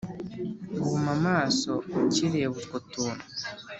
guhuma amaso ukireba utwo tuntu